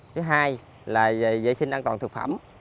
thứ hai là về vệ sinh an toàn thực phẩm